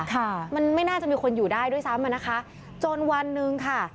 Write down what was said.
ค่ะมันไม่น่าจะมีคนอยู่ได้ด้วยซ้ำอ่ะนะคะจนวันหนึ่งค่ะ